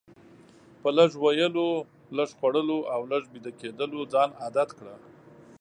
په لږ ویلو، لږ خوړلو او لږ ویده کیدلو ځان عادت کړه.